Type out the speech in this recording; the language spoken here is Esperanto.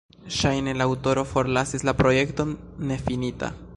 Ŝajne la aŭtoro forlasis la projekton nefinita.